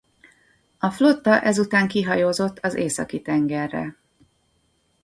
A flotta ezután kihajózott az Északi-tengerre.